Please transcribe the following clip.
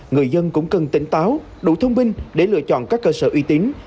người dân cũng cần tỉnh táo đủ thông minh để lựa chọn các cơ sở uy tín